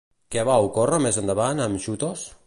Què va ocórrer més endavant amb Xutos?